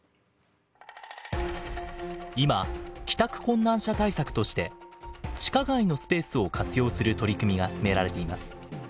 今帰宅困難者対策として地下街のスペースを活用する取り組みが進められています。